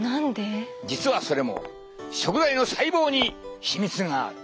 実はそれも食材の細胞に秘密がある。